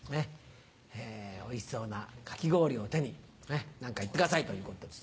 おいしそうなかき氷を手に何か言ってくださいということです。